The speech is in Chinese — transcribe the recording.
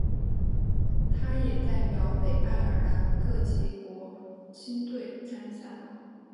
他也代表北爱尔兰各级国青队参赛。